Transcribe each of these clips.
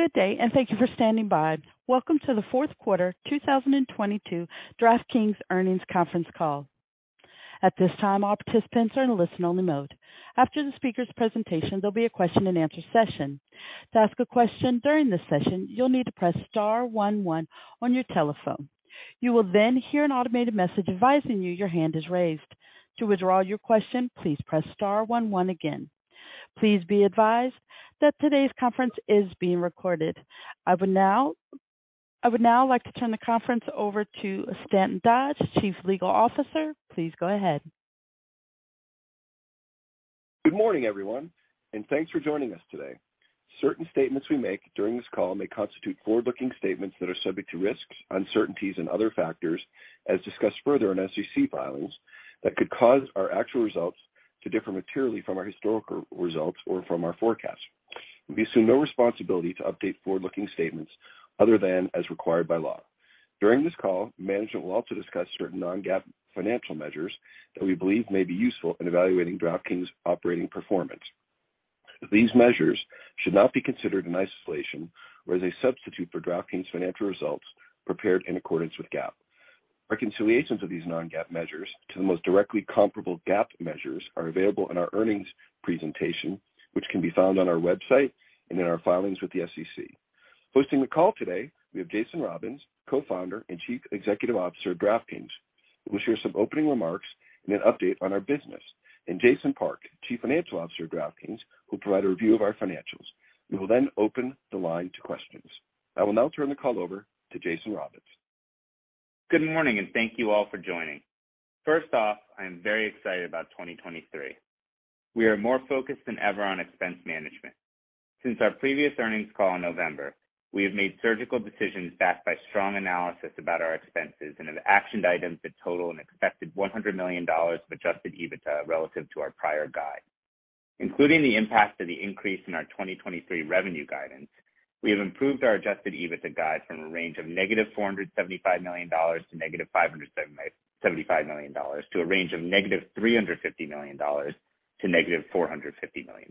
Good day, thank you for standing by. Welcome to the fourth quarter 2022 DraftKings Earnings Conference Call. At this time, all participants are in listen-only mode. After the speaker's presentation, there'll be a question-and-answer session. To ask a question during this session, you'll need to press star one one on your telephone. You will hear an automated message advising you your hand is raised. To withdraw your question, please press star one one again. Please be advised that today's conference is being recorded. I would now like to turn the conference over to Stanton Dodge, Chief Legal Officer. Please go ahead. Good morning, everyone, and thanks for joining us today. Certain statements we make during this call may constitute forward-looking statements that are subject to risks, uncertainties and other factors as discussed further in SEC filings that could cause our actual results to differ materially from our historical results or from our forecasts. We assume no responsibility to update forward-looking statements other than as required by law. During this call, management will also discuss certain non-GAAP financial measures that we believe may be useful in evaluating DraftKings' operating performance. These measures should not be considered in isolation or as a substitute for DraftKings' financial results prepared in accordance with GAAP. Reconciliations of these non-GAAP measures to the most directly comparable GAAP measures are available in our earnings presentation, which can be found on our website and in our filings with the SEC. Hosting the call today, we have Jason Robins, Co-founder and Chief Executive Officer of DraftKings, who will share some opening remarks and an update on our business. Jason Park, Chief Financial Officer of DraftKings, will provide a review of our financials. We will open the line to questions. I will now turn the call over to Jason Robins. Good morning, and thank you all for joining. First off, I am very excited about 2023. We are more focused than ever on expense management. Since our previous earnings call in November, we have made surgical decisions backed by strong analysis about our expenses and have actioned items that total an expected $100 million of adjusted EBITDA relative to our prior guide. Including the impact of the increase in our 2023 revenue guidance, we have improved our adjusted EBITDA guide from a range of negative $475 million to negative $575 million to a range of negative $350 million to negative $450 million.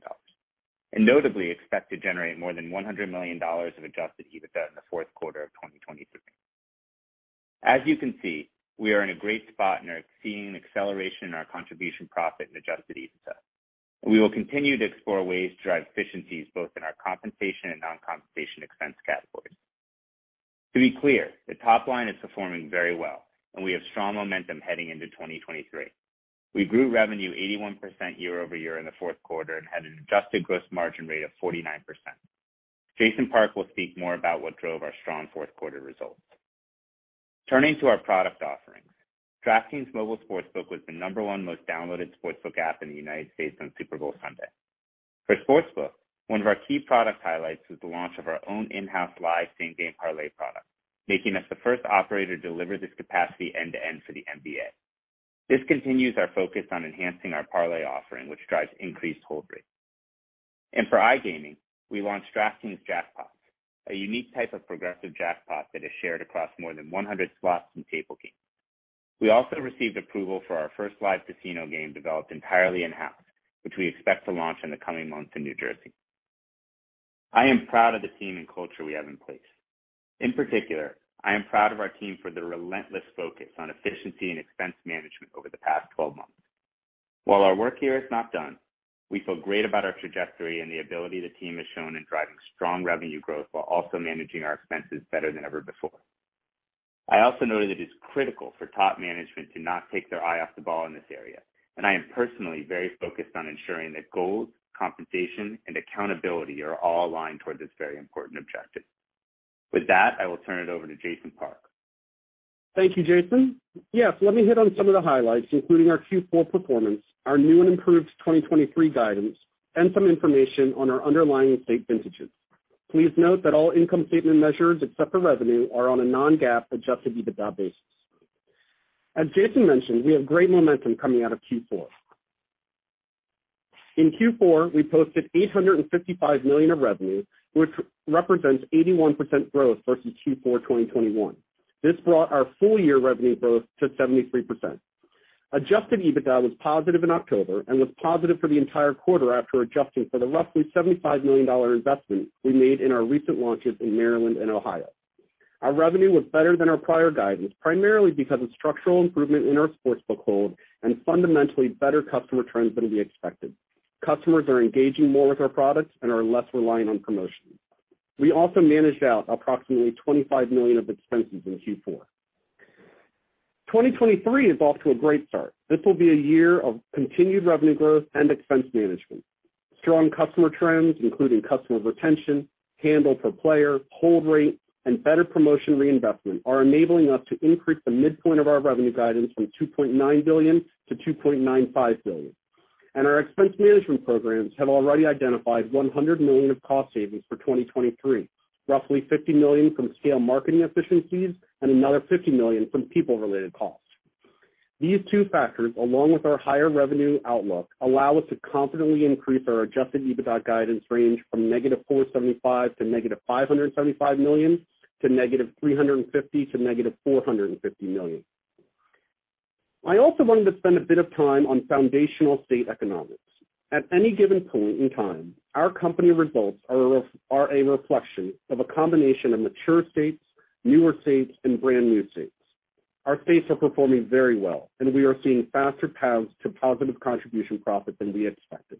Notably expect to generate more than $100 million of adjusted EBITDA in the fourth quarter of 2023. As you can see, we are in a great spot and are seeing an acceleration in our Contribution Profit and adjusted EBITDA. We will continue to explore ways to drive efficiencies both in our compensation and non-compensation expense categories. To be clear, the top line is performing very well, and we have strong momentum heading into 2023. We grew revenue 81% year-over-year in the fourth quarter and had an adjusted gross margin rate of 49%. Jason Park will speak more about what drove our strong fourth quarter results. Turning to our product offerings, DraftKings Mobile Sportsbook was the number one most downloaded sportsbook app in the United States on Super Bowl Sunday. For Sportsbook, one of our key product highlights was the launch of our own in-house Live Same Game Parlay product, making us the first operator to deliver this capacity end-to-end for the NBA. This continues our focus on enhancing our parlay offering, which drives increased hold rates. For iGaming, we launched DraftKings Jackpots, a unique type of progressive jackpot that is shared across more than 100 slots and table games. We also received approval for our first live casino game developed entirely in-house, which we expect to launch in the coming months in New Jersey. I am proud of the team and culture we have in place. In particular, I am proud of our team for their relentless focus on efficiency and expense management over the past 12 months. While our work here is not done, we feel great about our trajectory and the ability the team has shown in driving strong revenue growth while also managing our expenses better than ever before. I also know that it is critical for top management to not take their eye off the ball in this area, and I am personally very focused on ensuring that goals, compensation, and accountability are all aligned toward this very important objective. With that, I will turn it over to Jason Park. Thank you, Jason. Yes, let me hit on some of the highlights, including our Q4 performance, our new and improved 2023 guidance, and some information on our underlying state vintages. Please note that all income statement measures, except for revenue, are on a non-GAAP adjusted EBITDA basis. As Jason mentioned, we have great momentum coming out of Q4. In Q4, we posted $855 million of revenue, which represents 81% growth versus Q4 2021. This brought our full-year revenue growth to 73%. Adjusted EBITDA was positive in October and was positive for the entire quarter after adjusting for the roughly $75 million investment we made in our recent launches in Maryland and Ohio. Our revenue was better than our prior guidance, primarily because of structural improvement in our Sportsbook hold and fundamentally better customer trends than we expected. Customers are engaging more with our products and are less reliant on promotions. We also managed out approximately $25 million of expenses in Q4. 2023 is off to a great start. This will be a year of continued revenue growth and expense management. Strong customer trends, including customer retention, handle per player, hold rate, and better promotion reinvestment, are enabling us to increase the midpoint of our revenue guidance from $2.9 billion-$2.95 billion. Our expense management programs have already identified $100 million of cost savings for 2023, roughly $50 million from scale marketing efficiencies and another $50 million from people-related costs. These two factors, along with our higher revenue outlook, allow us to confidently increase our adjusted EBITDA guidance range from -$475 million to -$575 million to -$350 million to -$450 million. I also wanted to spend a bit of time on foundational state economics. At any given point in time, our company results are a reflection of a combination of mature states, newer states, and brand new states. Our states are performing very well, and we are seeing faster paths to positive contribution profit than we expected.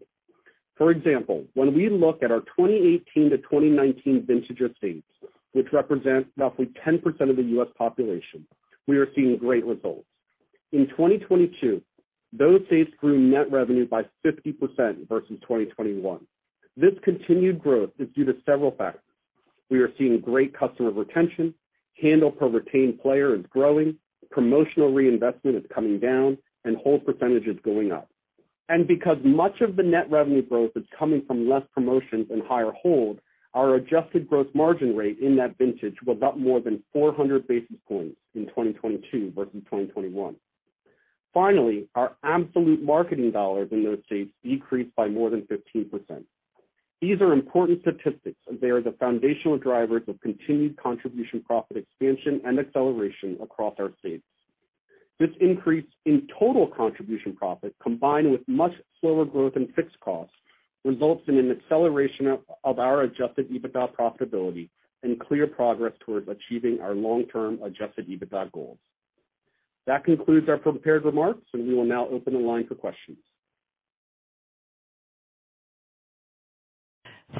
For example, when we look at our 2018 to 2019 vintage of states, which represents roughly 10% of the U.S. population, we are seeing great results. In 2022, those states grew net revenue by 50% versus 2021. This continued growth is due to several factors. We are seeing great customer retention, handle per retained player is growing, promotional reinvestment is coming down, and hold percentage is going up. Because much of the net revenue growth is coming from less promotions and higher hold, our adjusted gross margin rate in that vintage was up more than 400 basis points in 2022 versus 2021. Finally, our absolute marketing dollars in those states decreased by more than 15%. These are important statistics, as they are the foundational drivers of continued contribution profit expansion and acceleration across our states. This increase in total contribution profit, combined with much slower growth and fixed costs, results in an acceleration of our adjusted EBITDA profitability and clear progress towards achieving our long-term adjusted EBITDA goals. That concludes our prepared remarks, and we will now open the line for questions.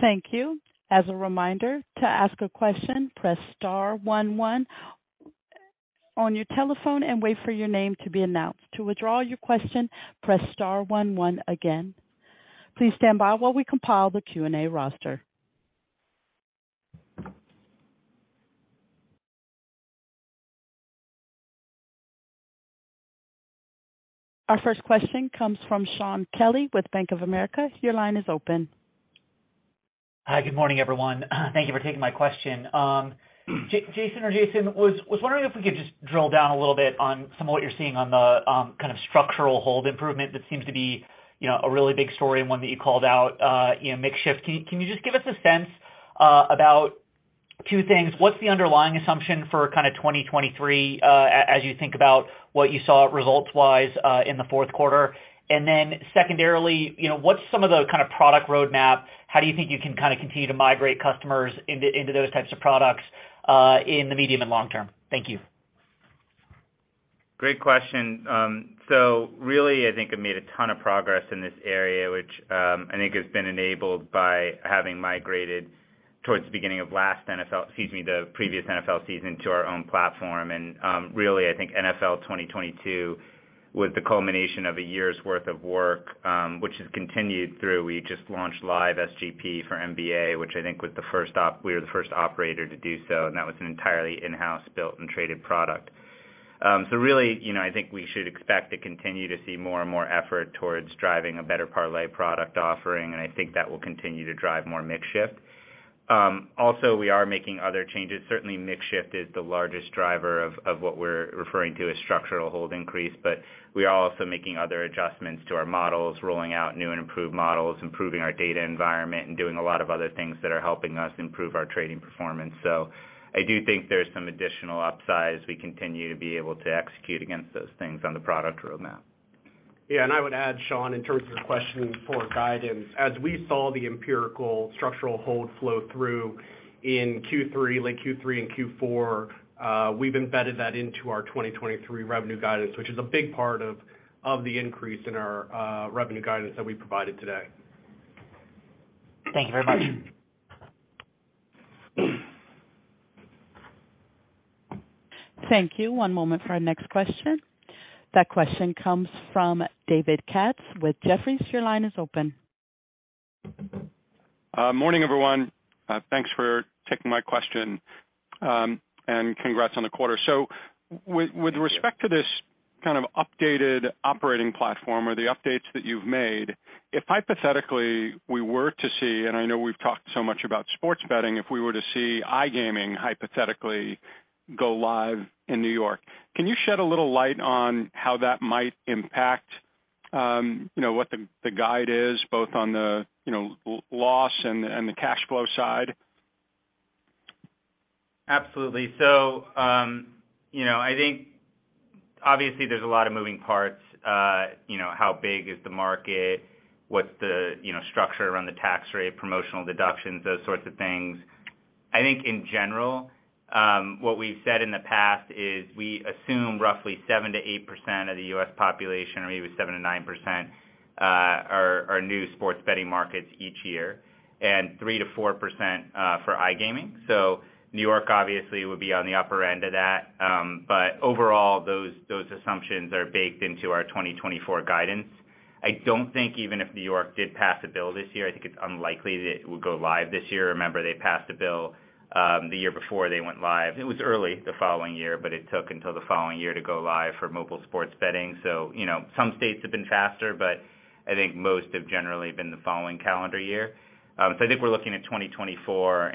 Thank you. As a reminder, to ask a question, press star 11 on your telephone and wait for your name to be announced. To withdraw your question, press star 11 again. Please stand by while we compile the Q&A roster. Our first question comes from Shaun Kelley with Bank of America. Your line is open. Hi. Good morning, everyone. Thank Thank you for taking my question. Jason or Jason was wondering if we could just drill down a little bit on some of what you're seeing on the kind of structural hold improvement that seems to be, you know, a really big story and one that you called out, you know, mix shift. Can you just give us a sense about 2 things. What's the underlying assumption for kind of 2023 as you think about what you saw results wise in the fourth quarter? Secondarily, you know, what's some of the kind of product roadmap? How do you think you can kind of continue to migrate customers into those types of products in the medium and long term? Thank you. Great question. Really, I think I made a ton of progress in this area, which, I think has been enabled by having migrated towards the beginning of last NFL, excuse me, the previous NFL season to our own platform. Really, I think NFL 2022 was the culmination of a year's worth of work, which has continued through. We just launched Live SGP for NBA, which I think was the first operator to do so, and that was an entirely in-house built and traded product. Really, you know, I think we should expect to continue to see more and more effort towards driving a better parlay product offering, and I think that will continue to drive more mix shift. Also we are making other changes. Certainly mix shift is the largest driver of what we're referring to as structural hold increase. We are also making other adjustments to our models, rolling out new and improved models, improving our data environment, and doing a lot of other things that are helping us improve our trading performance. I do think there's some additional upside as we continue to be able to execute against those things on the product roadmap. Yeah. I would add, Shaun, in terms of the question for guidance, as we saw the empirical structural hold flow through in Q3, late Q3 and Q4, we've embedded that into our 2023 revenue guidance, which is a big part of the increase in our revenue guidance that we provided today. Thank you very much. Thank you. One moment for our next question. That question comes from David Katz with Jefferies. Your line is open. Morning, everyone. Thanks for taking my question, and congrats on the quarter. With respect to this kind of updated operating platform or the updates that you've made, if hypothetically, we were to see, and I know we've talked so much about sports betting, if we were to see iGaming hypothetically go live in New York, can you shed a little light on how that might impact, you know, what the guide is both on the, you know, loss and the cash flow side? Absolutely. You know, I think obviously there's a lot of moving parts. You know, how big is the market? What's the, you know, structure around the tax rate, promotional deductions, those sorts of things. I think in general, what we've said in the past is we assume roughly 7%-8% of the US population, or even 7%-9%, are new sports betting markets each year and 3%-4% for iGaming. New York obviously would be on the upper end of that. But overall, those assumptions are baked into our 2024 guidance. I don't think even if New York did pass a bill this year, I think it's unlikely that it would go live this year. Remember, they passed a bill the year before they went live. It was early the following year, but it took until the following year to go live for mobile sports betting. You know, some states have been faster, but I think most have generally been the following calendar year. I think we're looking at 2024.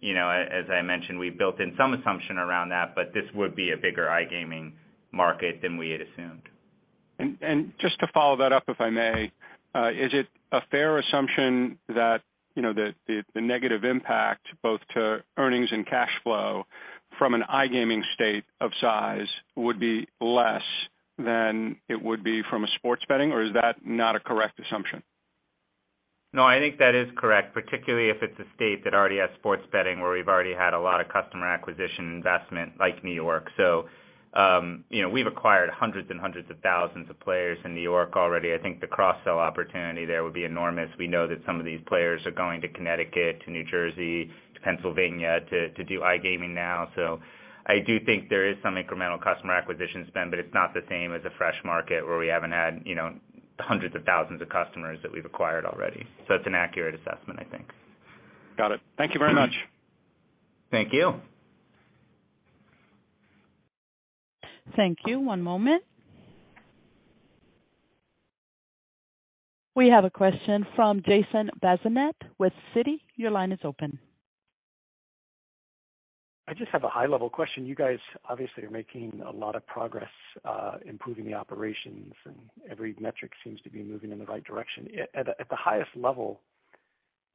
You know, as I mentioned, we've built in some assumption around that, but this would be a bigger iGaming market than we had assumed. Just to follow that up, if I may, is it a fair assumption that, you know, that the negative impact both to earnings and cash flow from an iGaming state of size would be less than it would be from a sports betting? Or is that not a correct assumption? No, I think that is correct, particularly if it's a state that already has sports betting, where we've already had a lot of customer acquisition investment like New York. You know, we've acquired hundreds and hundreds of thousands of players in New York already. I think the cross-sell opportunity there would be enormous. We know that some of these players are going to Connecticut, to New Jersey, to Pennsylvania to do iGaming now. I do think there is some incremental customer acquisition spend, but it's not the same as a fresh market where we haven't had, you know, hundreds of thousands of customers that we've acquired already. It's an accurate assessment, I think. Got it. Thank you very much. Thank you. Thank you. One moment. We have a question from Jason Bazinet with Citi. Your line is open. I just have a high level question. You guys obviously are making a lot of progress, improving the operations. Every metric seems to be moving in the right direction. At the highest level,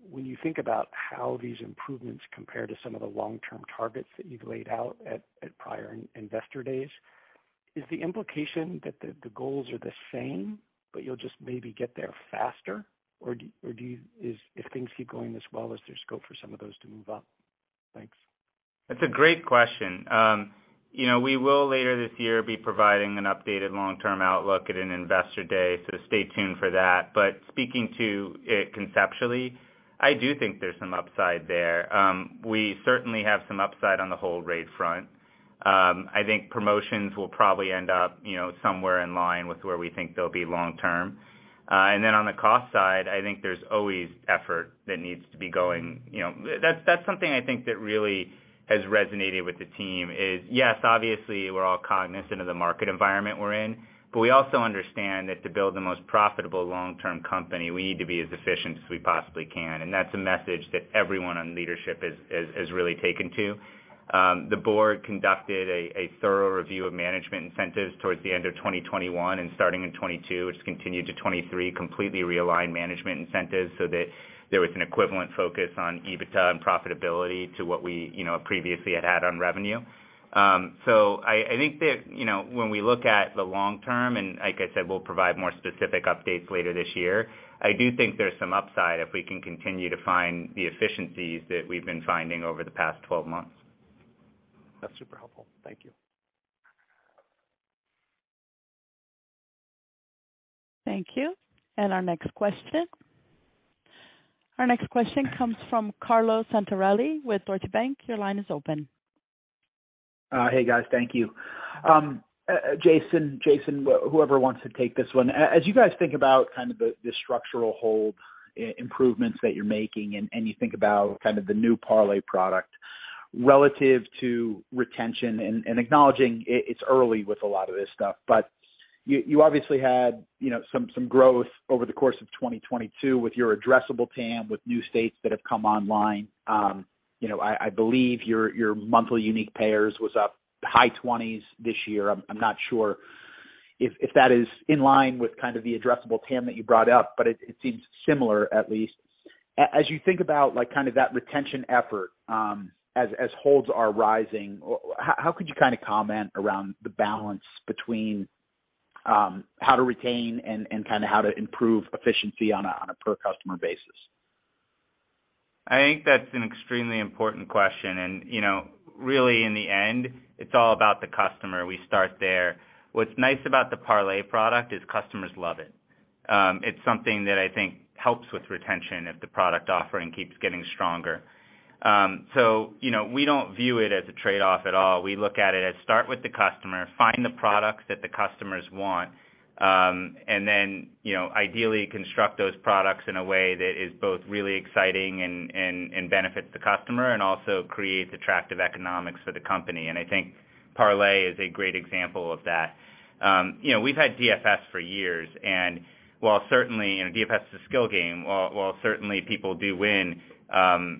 when you think about how these improvements compare to some of the long-term targets that you've laid out at prior investor days, is the implication that the goals are the same, but you'll just maybe get there faster? Or do you, is, if things keep going as well, is there scope for some of those to move up? Thanks. That's a great question. You know, we will, later this year, be providing an updated long-term outlook at an investor day, so to stay tuned for that. Speaking to it conceptually, I do think there's some upside there. We certainly have some upside on the hold rate front. I think promotions will probably end up, you know, somewhere in line with where we think they'll be long term. Then on the cost side, I think there's always effort that needs to be going. That's something I think that really has resonated with the team is, yes, obviously we're all cognizant of the market environment we're in, but we also understand that to build the most profitable long-term company, we need to be as efficient as we possibly can. That's a message that everyone on leadership has really taken to. The board conducted a thorough review of management incentives towards the end of 2021 and starting in 2022, which continued to 2023, completely realigned management incentives so that there was an equivalent focus on EBITDA and profitability to what we, you know, previously had on revenue. I think that, you know, when we look at the long term, like I said, we'll provide more specific updates later this year, I do think there's some upside if we can continue to find the efficiencies that we've been finding over the past 12 months. That's super helpful. Thank you. Thank you. Our next question comes from Carlo Santarelli with Deutsche Bank. Your line is open. Hey, guys. Thank you. Jason, whoever wants to take this one. As you guys think about kind of the structural hold improvements that you're making, and you think about kind of the new parlay product relative to retention and acknowledging it's early with a lot of this stuff, but you obviously had, you know, some growth over the course of 2022 with your addressable TAM, with new states that have come online. You know, I believe your monthly unique payers was up high 20s this year. I'm not sure if that is in line with kind of the addressable TAM that you brought up, but it seems similar at least. As you think about, like, kind of that retention effort, as holds are rising, how could you kind of comment around the balance between how to retain and kind of how to improve efficiency on a per customer basis? I think that's an extremely important question. You know, really in the end, it's all about the customer. We start there. What's nice about the parlay product is customers love it. It's something that I think helps with retention if the product offering keeps getting stronger. You know, we don't view it as a trade-off at all. We look at it as start with the customer, find the products that the customers want, and then, you know, ideally construct those products in a way that is both really exciting and benefits the customer and also creates attractive economics for the company. I think parlay is a great example of that. You know, we've had DFS for years, and while certainly, you know, DFS is a skill game, while certainly people do win,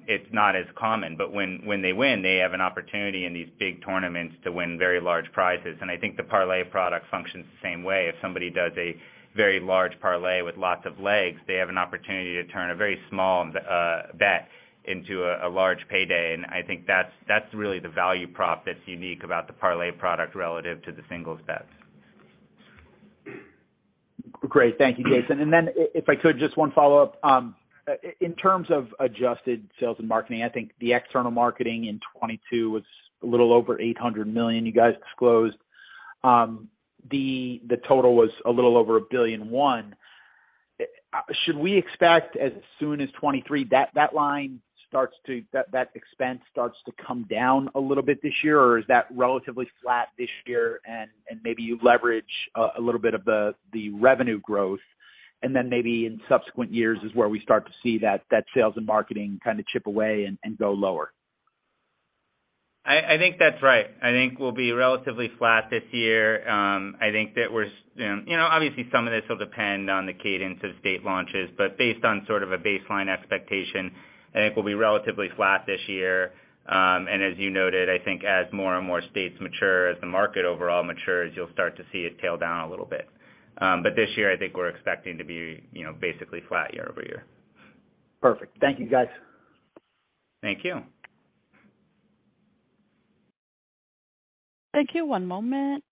it's not as common. When they win, they have an opportunity in these big tournaments to win very large prizes. I think the parlay product functions the same way. If somebody does a very large parlay with lots of legs, they have an opportunity to turn a very small bet into a large payday. I think that's really the value prop that's unique about the parlay product relative to the singles bets. Great. Thank you, Jason. If I could, just one follow-up. In terms of adjusted sales and marketing, I think the external marketing in 2022 was a little over $800 million. You guys disclosed, the total was a little over $1.1 billion. Should we expect as soon as 2023, that expense starts to come down a little bit this year? Or is that relatively flat this year and maybe you leverage a little bit of the revenue growth, and then maybe in subsequent years is where we start to see that sales and marketing kind of chip away and go lower? I think that's right. I think we'll be relatively flat this year. I think that we're, you know, obviously some of this will depend on the cadence of state launches, but based on sort of a baseline expectation, I think we'll be relatively flat this year. As you noted, I think as more and more states mature, as the market overall matures, you'll start to see it tail down a little bit. This year, I think we're expecting to be, you know, basically flat year-over-year. Perfect. Thank you, guys. Thank you. Thank you. One moment.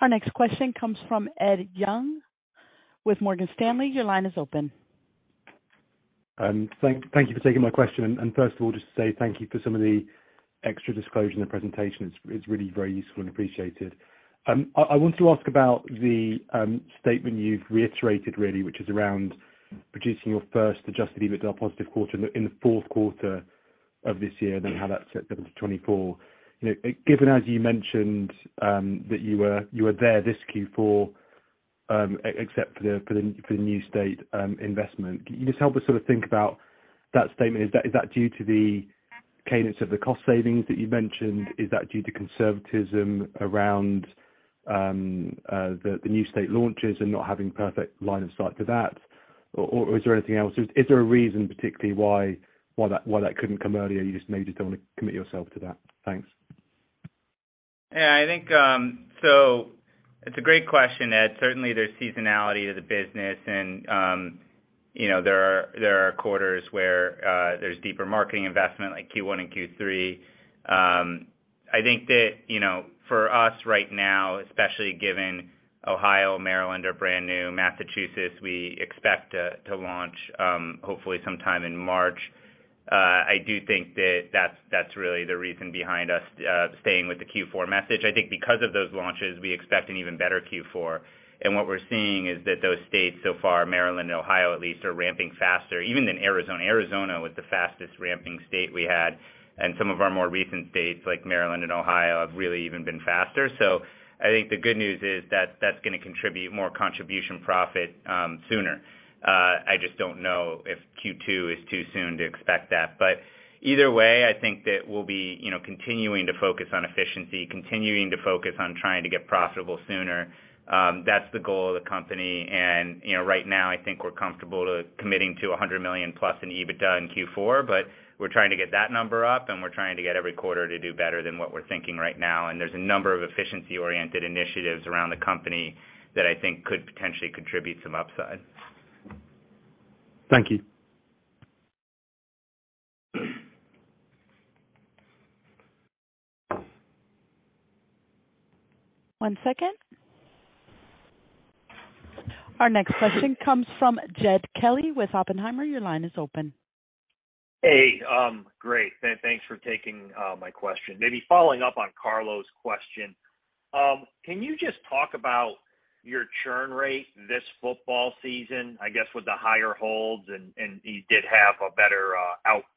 Our next question comes from Ed Young with Morgan Stanley. Your line is open. Thank you for taking my question. First of all, just to say thank you for some of the extra disclosure in the presentation. It's really very useful and appreciated. I want to ask about the statement you've reiterated really, which is around producing your first adjusted EBITDA positive quarter in the fourth quarter of this year, how that set them to 2024. You know, given as you mentioned, that you were there this Q4, except for the new state investment. Can you just help us sort of think about that statement? Is that due to the cadence of the cost savings that you mentioned? Is that due to conservatism around the new state launches and not having perfect line of sight to that? Is there anything else? Is there a reason particularly why that couldn't come earlier? You just maybe don't wanna commit yourself to that. Thanks. I think it's a great question, Ed. Certainly there's seasonality to the business and, you know, there are, there are quarters where there's deeper marketing investment like Q1 and Q3. I think that, you know, for us right now, especially given Ohio, Maryland are brand new, Massachusetts, we expect to launch hopefully sometime in March. I do think that that's really the reason behind us staying with the Q4 message. I think because of those launches, we expect an even better Q4. What we're seeing is that those states so far, Maryland and Ohio at least, are ramping faster even than Arizona. Arizona was the fastest ramping state we had, and some of our more recent states like Maryland and Ohio have really even been faster. I think the good news is that that's gonna contribute more contribution profit sooner. I just don't know if Q2 is too soon to expect that. Either way, I think that we'll be, you know, continuing to focus on efficiency, continuing to focus on trying to get profitable sooner. That's the goal of the company. You know, right now I think we're comfortable to committing to $100 million-plus in EBITDA in Q4, but we're trying to get that number up, and we're trying to get every quarter to do better than what we're thinking right now. There's a number of efficiency-oriented initiatives around the company that I think could potentially contribute some upside. Thank you. One second. Our next question comes from Jed Kelly with Oppenheimer. Your line is open. Hey, great. Thanks for taking my question. Maybe following up on Carlo's question. Can you just talk about your churn rate this football season, I guess, with the higher holds and you did have a better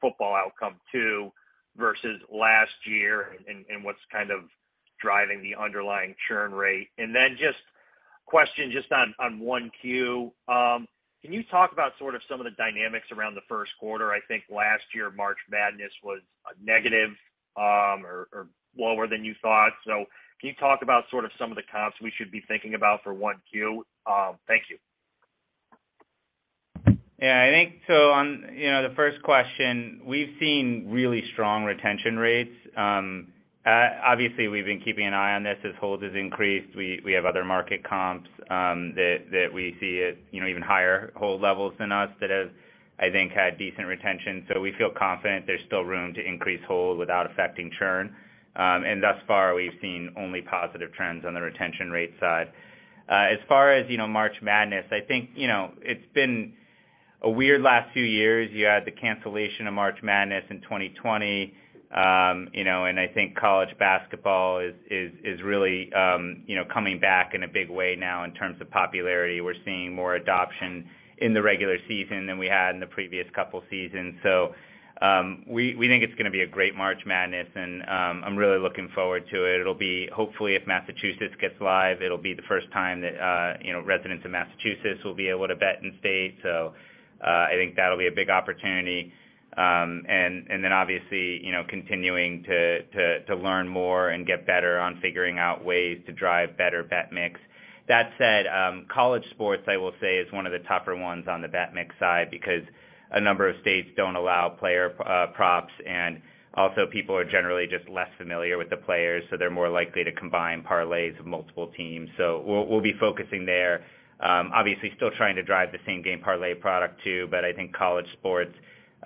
football outcome too versus last year and what's kind of driving the underlying churn rate? Just question just on 1Q. Can you talk about sort of some of the dynamics around the first quarter? I think last year March Madness was a negative or lower than you thought. Can you talk about sort of some of the comps we should be thinking about for 1Q? Thank you. I think so on, you know, the first question, we've seen really strong retention rates. Obviously we've been keeping an eye on this as holds has increased. We have other market comps that we see at, you know, even higher hold levels than us that have, I think had decent retention. We feel confident there's still room to increase hold without affecting churn. Thus far we've seen only positive trends on the retention rate side. As far as, you know, March Madness, I think, you know, it's been a weird last few years. You had the cancellation of March Madness in 2020. You know, I think college basketball is really, you know, coming back in a big way now in terms of popularity. We're seeing more adoption in the regular season than we had in the previous couple seasons. We think it's gonna be a great March Madness and I'm really looking forward to it. It'll be. Hopefully, if Massachusetts gets live, it'll be the first time that, you know, residents of Massachusetts will be able to bet in state. I think that'll be a big opportunity. Then obviously, you know, continuing to learn more and get better on figuring out ways to drive better bet mix. That said, college sports, I will say is one of the tougher ones on the bet mix side because a number of states don't allow player props, and also people are generally just less familiar with the players, so they're more likely to combine parlays of multiple teams. We'll be focusing there. Obviously still trying to drive the Same Game Parlay product too, but I think college sports,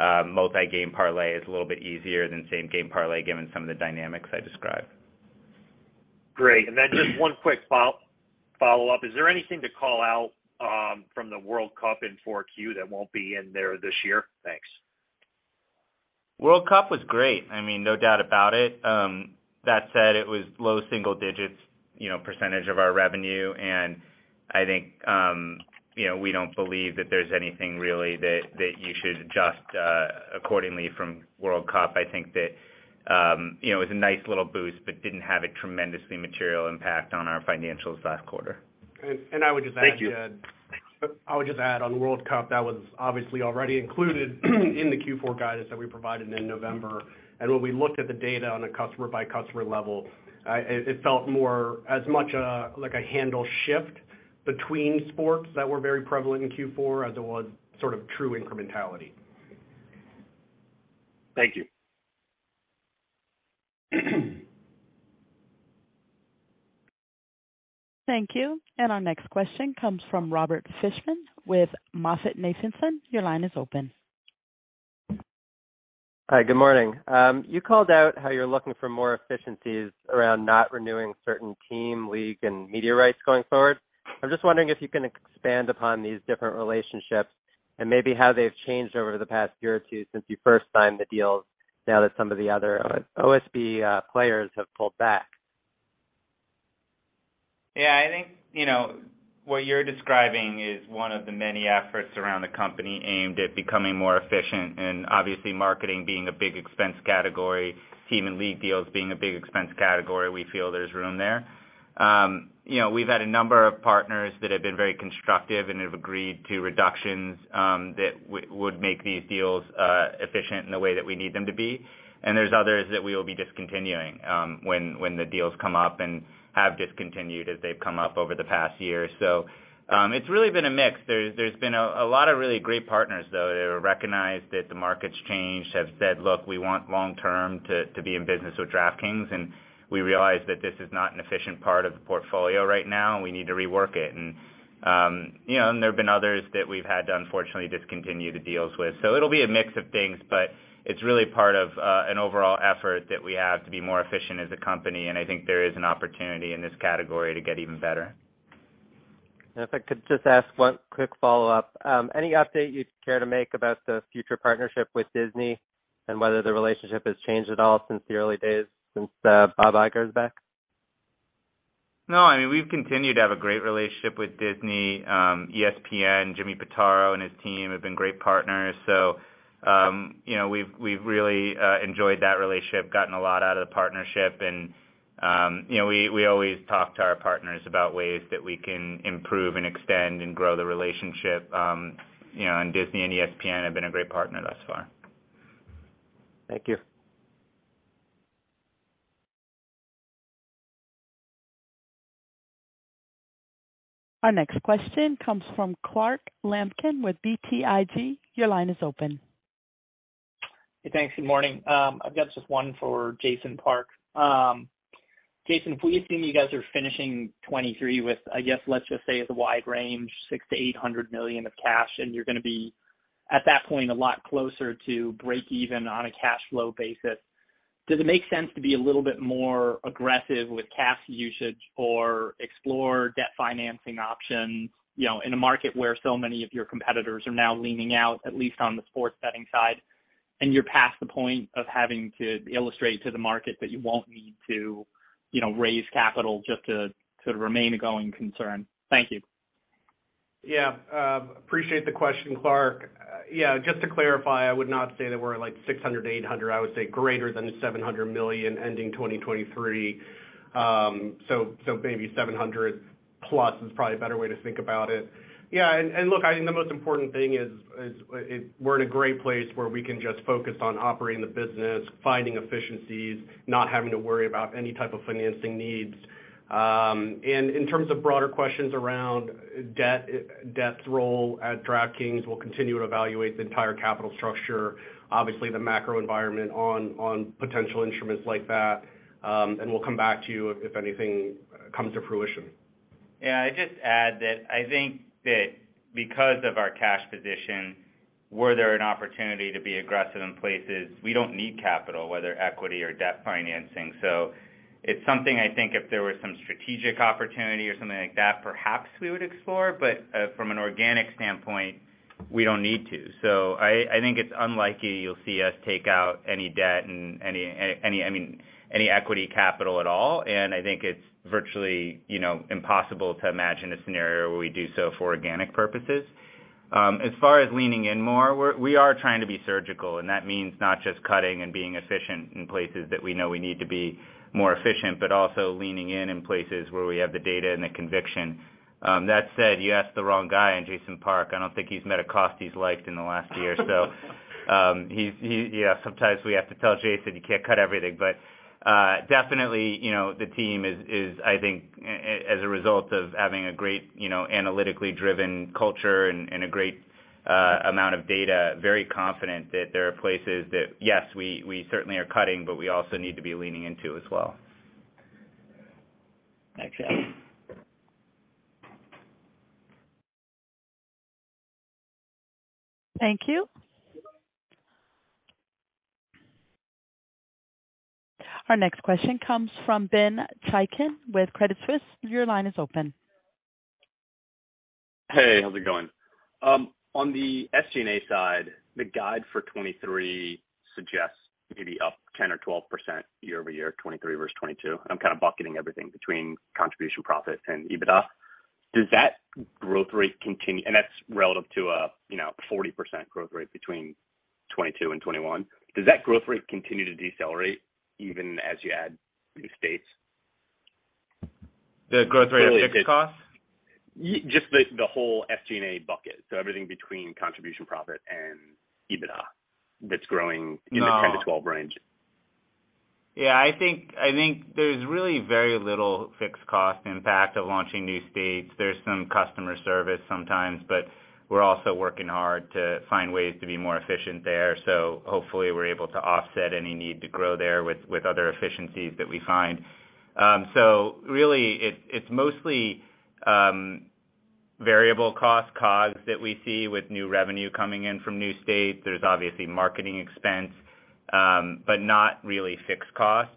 multi-game parlay is a little bit easier than Same Game Parlay given some of the dynamics I described. Great. Just one quick follow-up. Is there anything to call out from the World Cup in 4Q that won't be in there this year? Thanks. World Cup was great. I mean, no doubt about it. That said, it was low single digits, you know, % of our revenue. I think, you know, we don't believe that there's anything really that you should adjust accordingly from World Cup. I think that, you know, it was a nice little boost but didn't have a tremendously material impact on our financials last quarter. I would just add, Jed- Thank you. I would just add on World Cup, that was obviously already included in the Q4 guidance that we provided in November. When we looked at the data on a customer by customer level, it felt more as much like a handle shift between sports that were very prevalent in Q4 as it was sort of true incrementality. Thank you. Thank you. Our next question comes from Robert Fishman with MoffettNathanson. Your line is open. Hi, good morning. You called out how you're looking for more efficiencies around not renewing certain team, league, and media rights going forward. I'm just wondering if you can expand upon these different relationships and maybe how they've changed over the past year or 2 since you first signed the deals now that some of the other OSB players have pulled back? Yeah, I think, you know, what you're describing is one of the many efforts around the company aimed at becoming more efficient and obviously marketing being a big expense category, team and league deals being a big expense category. We feel there's room there. you know, we've had a number of partners that have been very constructive and have agreed to reductions that would make these deals efficient in the way that we need them to be. there's others that we will be discontinuing when the deals come up and have discontinued as they've come up over the past year. it's really been a mix. There's been a lot of really great partners, though, that have recognized that the market's changed, have said, "Look, we want long-term to be in business with DraftKings, and we realize that this is not an efficient part of the portfolio right now, and we need to rework it." you know, and there have been others that we've had to unfortunately discontinue the deals with. it'll be a mix of things, but it's really part of an overall effort that we have to be more efficient as a company, and I think there is an opportunity in this category to get even better. If I could just ask one quick follow-up, any update you'd care to make about the future partnership with Disney and whether the relationship has changed at all since the early days since Bob Iger is back? No, I mean, we've continued to have a great relationship with Disney, ESPN, Jimmy Pitaro, and his team have been great partners. you know, we've really enjoyed that relationship, gotten a lot out of the partnership. you know, we always talk to our partners about ways that we can improve and extend and grow the relationship. you know, Disney and ESPN have been a great partner thus far. Thank you. Our next question comes from Clark Lampen with BTIG. Your line is open. Hey, thanks. Good morning. I've got just one for Jason Park. Jason, if we assume you guys are finishing 2023 with, I guess, let's just say as a wide range, $600 million-$800 million of cash, and you're gonna be, at that point, a lot closer to break even on a cash flow basis, does it make sense to be a little bit more aggressive with cash usage or explore debt financing options, you know, in a market where so many of your competitors are now leaning out, at least on the sports betting side, and you're past the point of having to illustrate to the market that you won't need to, you know, raise capital just to remain a going concern? Thank you. Yeah. Appreciate the question, Clark. Yeah, just to clarify, I would not say that we're at, like, $600-$800. I would say greater than $700 million ending 2023. So maybe $700+ is probably a better way to think about it. Yeah, and look, I think the most important thing is we're in a great place where we can just focus on operating the business, finding efficiencies, not having to worry about any type of financing needs. In terms of broader questions around debt's role at DraftKings, we'll continue to evaluate the entire capital structure, obviously the macro environment on potential instruments like that, and we'll come back to you if anything comes to fruition. Yeah, I'd just add that I think that because of our cash position, were there an opportunity to be aggressive in places we don't need capital, whether equity or debt financing. It's something I think if there was some strategic opportunity or something like that, perhaps we would explore. From an organic standpoint, we don't need to. I think it's unlikely you'll see us take out any debt and any, I mean, any equity capital at all. I think it's virtually, you know, impossible to imagine a scenario where we do so for organic purposes. As far as leaning in more, we are trying to be surgical. That means not just cutting and being efficient in places that we know we need to be more efficient, but also leaning in in places where we have the data and the conviction. That said, you asked the wrong guy in Jason Park. I don't think he's met a cost he's liked in the last year. He's yeah, sometimes we have to tell Jason you can't cut everything. Definitely, you know, the team is I think as a result of having a great, you know, analytically driven culture and a great amount of data, very confident that there are places that, yes, we certainly are cutting, but we also need to be leaning into as well. Thanks, Jason. Thank you. Our next question comes from Ben Chaiken with Credit Suisse. Your line is open. Hey, how's it going? On the SG&A side, the guide for 23 suggests maybe up 10% or 12% year-over-year, 23 versus 22. I'm kind of bucketing everything between contribution profit and EBITDA. Does that growth rate continue? That's relative to a, you know, 40% growth rate between 22 and 21. Does that growth rate continue to decelerate even as you add new states? The growth rate of fixed costs? Just the whole SG&A bucket, so everything between contribution profit and EBITDA that's growing... No. in the 10 to 12 range. Yeah, I think there's really very little fixed cost impact of launching new states. There's some customer service sometimes, but we're also working hard to find ways to be more efficient there. Hopefully we're able to offset any need to grow there with other efficiencies that we find. Really it's mostly variable cost COGS that we see with new revenue coming in from new states. There's obviously marketing expense, but not really fixed cost.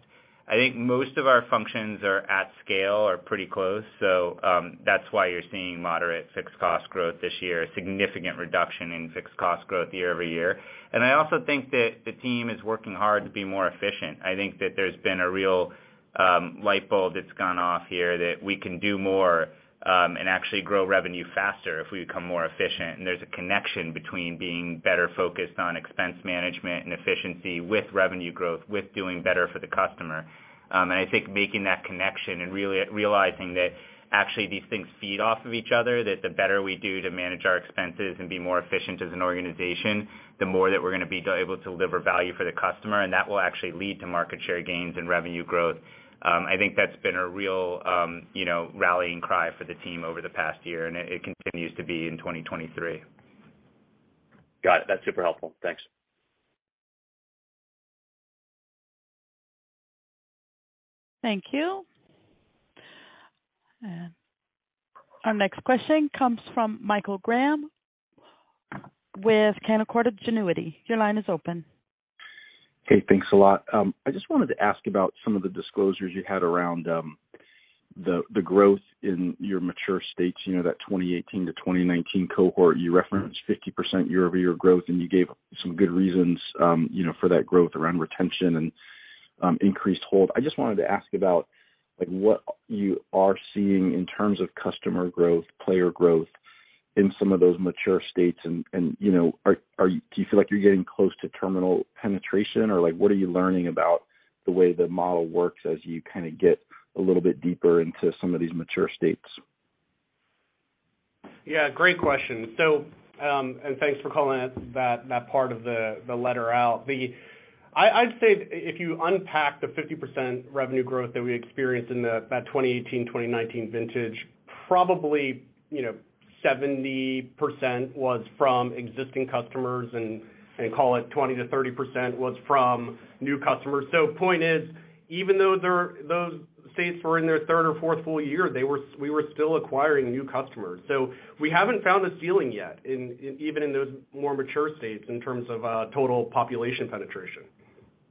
I think most of our functions are at scale or pretty close. That's why you're seeing moderate fixed cost growth this year, a significant reduction in fixed cost growth year-over-year. I also think that the team is working hard to be more efficient. I think that there's been a real, light bulb that's gone off here that we can do more, and actually grow revenue faster if we become more efficient. There's a connection between being better focused on expense management and efficiency with revenue growth, with doing better for the customer. I think making that connection and realizing that actually these things feed off of each other, that the better we do to manage our expenses and be more efficient as an organization, the more that we're gonna be able to deliver value for the customer, and that will actually lead to market share gains and revenue growth. I think that's been a real, you know, rallying cry for the team over the past year, and it continues to be in 2023. Got it. That's super helpful. Thanks. Thank you. Our next question comes from Michael Graham with Canaccord Genuity. Your line is open. Hey, thanks a lot. I just wanted to ask about some of the disclosures you had around the growth in your mature states. You know, that 2018 to 2019 cohort, you referenced 50% year-over-year growth, and you gave some good reasons, you know, for that growth around retention and increased hold. I just wanted to ask about, like, what you are seeing in terms of customer growth, player growth in some of those mature states and, you know, are do you feel like you're getting close to terminal penetration or like what are you learning about the way the model works as you kind of get a little bit deeper into some of these mature states? Yeah, great question. Thanks for calling that part of the letter out. I'd say if you unpack the 50% revenue growth that we experienced in the 2018-2019 vintage, probably, you know, 70% was from existing customers and call it 20%-30% was from new customers. Point is, even though those states were in their third or fourth full year, we were still acquiring new customers. We haven't found a ceiling yet in, even in those more mature states in terms of total population penetration.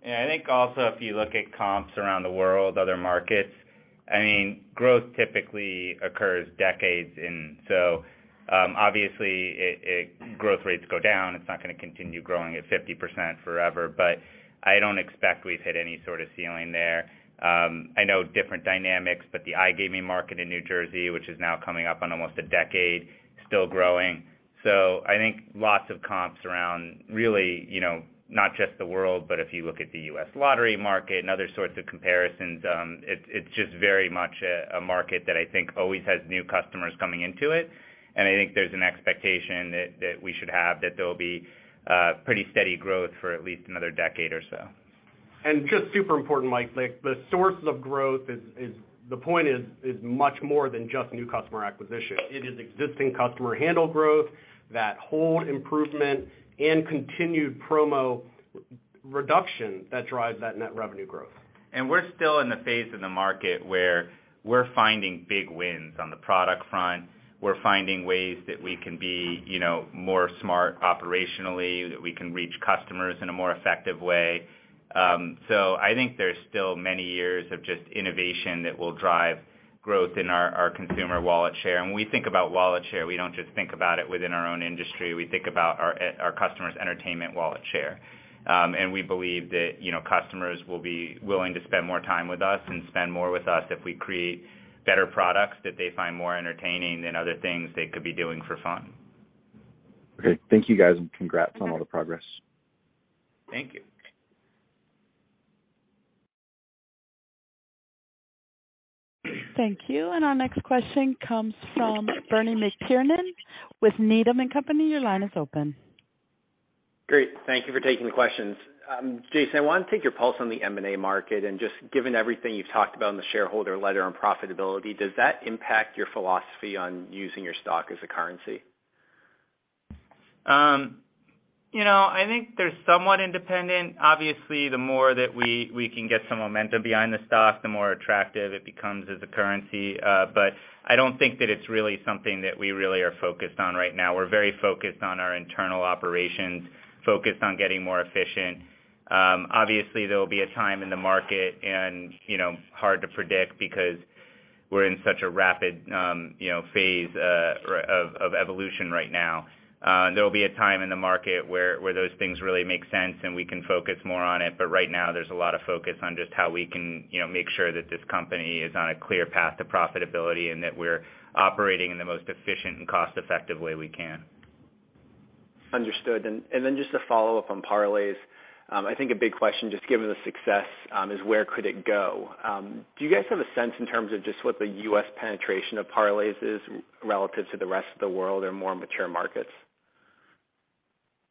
Yeah. I think also if you look at comps around the world, other markets, I mean, growth typically occurs decades in. Obviously, growth rates go down. It's not gonna continue growing at 50% forever, but I don't expect we've hit any sort of ceiling there. I know different dynamics, but the iGaming market in New Jersey, which is now coming up on almost a decade, still growing. I think lots of comps around really, you know, not just the world, but if you look at the U.S. lottery market and other sorts of comparisons, it's just very much a market that I think always has new customers coming into it. I think there's an expectation that we should have that there'll be pretty steady growth for at least another decade or so. Just super important, Mike, like, the sources of growth is the point is much more than just new customer acquisition. It is existing customer handle growth, that whole improvement and continued promo reduction that drives that net revenue growth. We're still in the phase of the market where we're finding big wins on the product front. We're finding ways that we can be, you know, more smart operationally, that we can reach customers in a more effective way. I think there's still many years of just innovation that will drive growth in our consumer wallet share. When we think about wallet share, we don't just think about it within our own industry. We think about our customers' entertainment wallet share. We believe that, you know, customers will be willing to spend more time with us and spend more with us if we create better products that they find more entertaining than other things they could be doing for fun. Okay. Thank you, guys, and congrats on all the progress. Thank you. Thank you. Our next question comes from Bernie McTernan with Needham and Company. Your line is open. Great. Thank you for taking the questions. Jason, I want to take your pulse on the M&A market. Just given everything you've talked about in the shareholder letter on profitability, does that impact your philosophy on using your stock as a currency? You know, I think they're somewhat independent. Obviously, the more that we can get some momentum behind the stock, the more attractive it becomes as a currency. I don't think that it's really something that we really are focused on right now. We're very focused on our internal operations, focused on getting more efficient. Obviously, there will be a time in the market and, you know, hard to predict because we're in such a rapid, you know, phase of evolution right now. There will be a time in the market where those things really make sense, and we can focus more on it. Right now, there's a lot of focus on just how we can, you know, make sure that this company is on a clear path to profitability and that we're operating in the most efficient and cost-effective way we can. Understood. Then just a follow-up on parlays. I think a big question, just given the success, is where could it go? Do you guys have a sense in terms of just what the US penetration of parlays is relative to the rest of the world or more mature markets?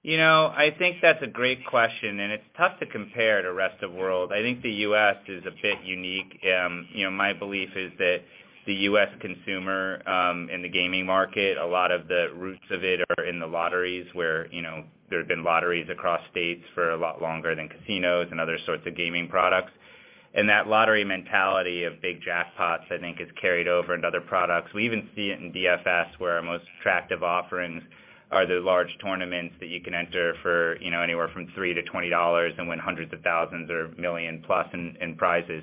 You know, I think that's a great question, and it's tough to compare to rest of world. I think the U.S. is a bit unique. You know, my belief is that the U.S. consumer, in the gaming market, a lot of the roots of it are in the lotteries where, you know, there have been lotteries across states for a lot longer than casinos and other sorts of gaming products. That lottery mentality of big jackpots, I think, has carried over into other products. We even see it in DFS, where our most attractive offerings are the large tournaments that you can enter for, you know, anywhere from $3-$20 and win hundreds of thousands or million-plus in prizes.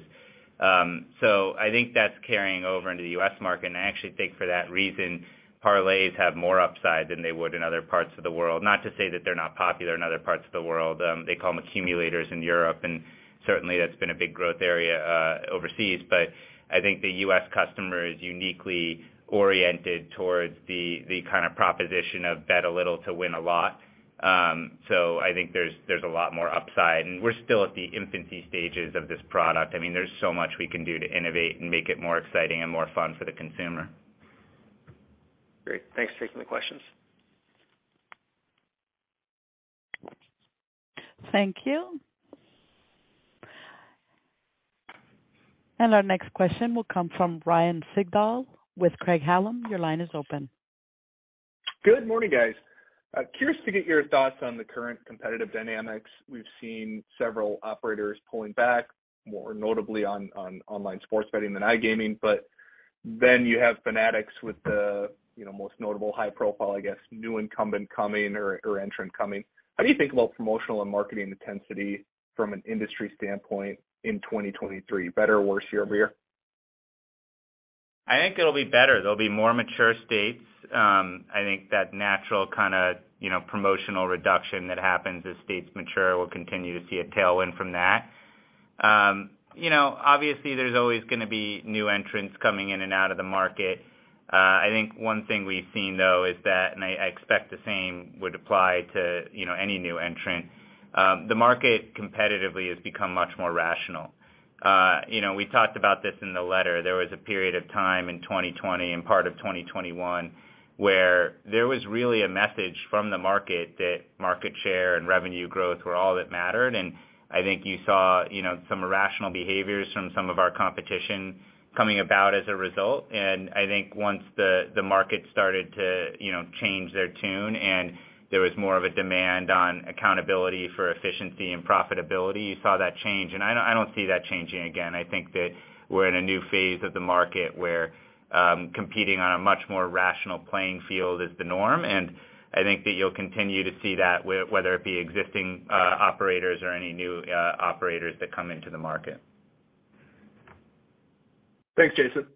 I think that's carrying over into the U.S. market. I actually think for that reason, parlays have more upside than they would in other parts of the world. Not to say that they're not popular in other parts of the world. They call them accumulators in Europe, certainly that's been a big growth area overseas. I think the U.S. customer is uniquely oriented towards the kind of proposition of bet a little to win a lot. I think there's a lot more upside, and we're still at the infancy stages of this product. I mean, there's so much we can do to innovate and make it more exciting and more fun for the consumer. Great. Thanks for taking the questions. Thank you. Our next question will come from Ryan Sigdahl with Craig-Hallum. Your line is open. Good morning, guys. Curious to get your thoughts on the current competitive dynamics. We've seen several operators pulling back, more notably on online sports betting than iGaming. But then you have Fanatics with the, you know, most notable high profile, I guess, new incumbent coming or entrant coming. How do you think about promotional and marketing intensity from an industry standpoint in 2023, better or worse year-over-year? I think it'll be better. There'll be more mature states. I think that natural kind of, you know, promotional reduction that happens as states mature, we'll continue to see a tailwind from that. You know, obviously there's always gonna be new entrants coming in and out of the market. I think one thing we've seen, though, is that, and I expect the same would apply to, you know, any new entrant, the market competitively has become much more rational. You know, we talked about this in the letter. There was a period of time in 2020 and part of 2021 where there was really a message from the market that market share and revenue growth were all that mattered. I think you saw, you know, some irrational behaviors from some of our competition coming about as a result. I think once the market started to, you know, change their tune and there was more of a demand on accountability for efficiency and profitability, you saw that change. I don't see that changing again. I think that we're in a new phase of the market where competing on a much more rational playing field is the norm. I think that you'll continue to see that whether it be existing operators or any new operators that come into the market. Thanks, Jason.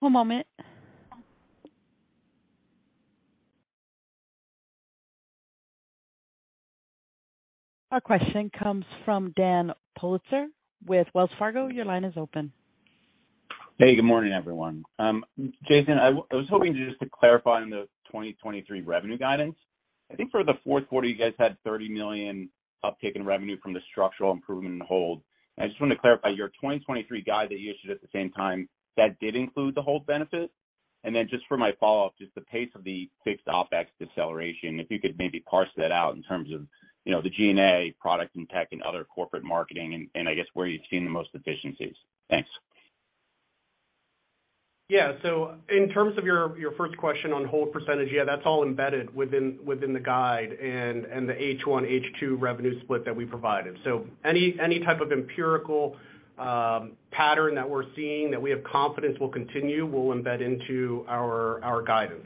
One moment. Our question comes from Dan Politzer with Wells Fargo. Your line is open. Hey, good morning, everyone. Jason, I was hoping just to clarify on the 2023 revenue guidance. I think for the fourth quarter, you guys had $30 million uptick in revenue from the structural improvement in Hold. I just wanted to clarify, your 2023 guide that you issued at the same time, that did include the Hold benefit? Just for my follow-up, just the pace of the fixed OpEx deceleration, if you could maybe parse that out in terms of, you know, the G&A, product and tech and other corporate marketing and I guess where you're seeing the most efficiencies. Thanks. Yeah. In terms of your first question on Hold percentage, yeah, that's all embedded within the guide and the H1, H2 revenue split that we provided. Any type of empirical pattern that we're seeing that we have confidence will continue, we'll embed into our guidance.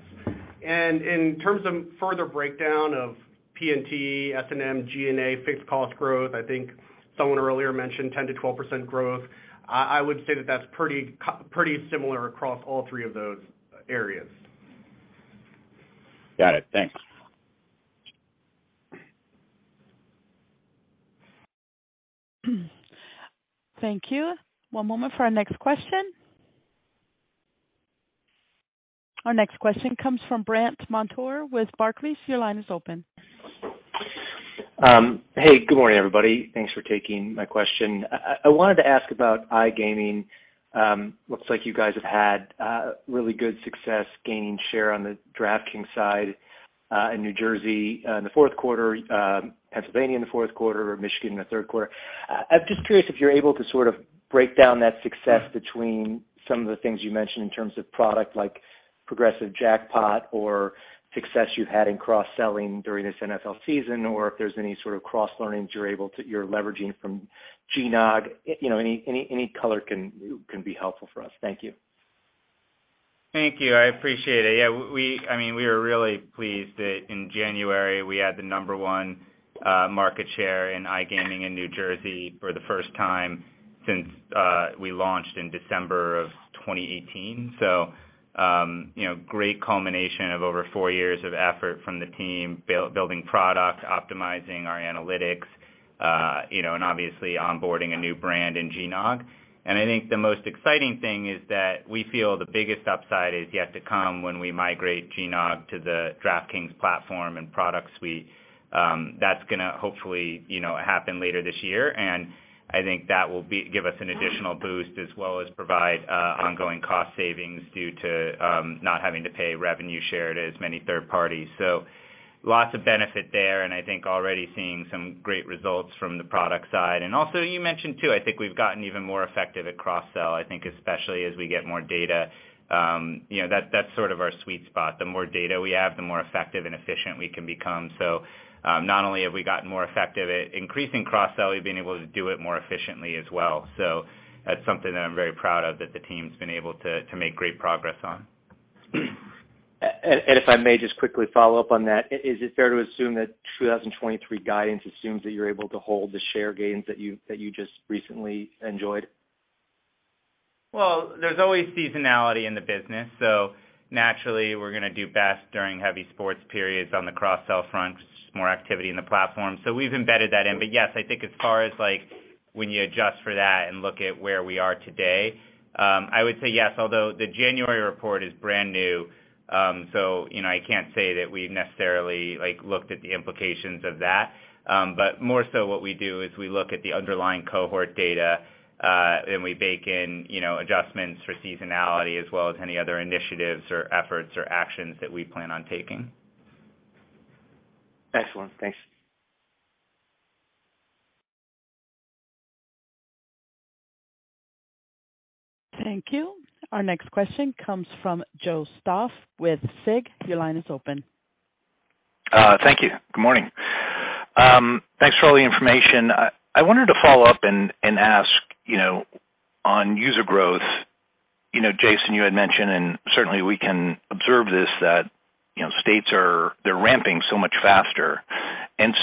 In terms of further breakdown of P&T, S&M, G&A, fixed cost growth, I think someone earlier mentioned 10%-12% growth. I would say that that's pretty similar across all three of those areas. Got it. Thanks. Thank you. One moment for our next question. Our next question comes from Brandt Montour with Barclays. Your line is open. Hey, good morning, everybody. Thanks for taking my question. I wanted to ask about iGaming. Looks like you guys have had really good success gaining share on the DraftKings side in New Jersey in the fourth quarter, Pennsylvania in the fourth quarter, Michigan in the third quarter. I'm just curious if you're able to sort of break down that success between some of the things you mentioned in terms of product like progressive jackpot or success you had in cross-selling during this NFL season, or if there's any sort of cross-learnings you're leveraging from GNOG. You know, any color can be helpful for us. Thank you. Thank you. I appreciate it. I mean, we are really pleased that in January, we had the number one market share in iGaming in New Jersey for the first time since we launched in December of 2018. you know, great culmination of over four years of effort from the team, building products, optimizing our analytics, you know, and obviously onboarding a new brand in GNOG. I think the most exciting thing is that we feel the biggest upside is yet to come when we migrate GNOG to the DraftKings platform and product suite. That's gonna hopefully, you know, happen later this year, and I think that will give us an additional boost, as well as provide ongoing cost savings due to not having to pay revenue shared as many third parties. Lots of benefit there, and I think already seeing some great results from the product side. Also you mentioned too, I think we've gotten even more effective at cross-sell, I think especially as we get more data, you know, that's sort of our sweet spot. The more data we have, the more effective and efficient we can become. Not only have we gotten more effective at increasing cross-sell, we've been able to do it more efficiently as well. That's something that I'm very proud of that the team's been able to make great progress on. If I may just quickly follow up on that, is it fair to assume that 2023 guidance assumes that you're able to hold the share gains that you just recently enjoyed? There's always seasonality in the business, so naturally we're gonna do best during heavy sports periods on the cross-sell front, just more activity in the platform. We've embedded that in. Yes, I think as far as, like, when you adjust for that and look at where we are today, I would say yes, although the January report is brand new, so, you know, I can't say that we've necessarily, like, looked at the implications of that. More so what we do is we look at the underlying cohort data, and we bake in, you know, adjustments for seasonality as well as any other initiatives or efforts or actions that we plan on taking. Excellent. Thanks. Thank you. Our next question comes from Joe Stauff with SIG. Your line is open. Thank you. Good morning. Thanks for all the information. I wanted to follow up and ask, you know, on user growth, you know, Jason, you had mentioned, and certainly we can observe this, that, you know, they're ramping so much faster.